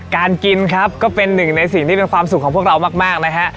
การกินครับก็เป็นหนึ่งในสิ่งที่เป็นความสุขของพวกเรามากนะฮะ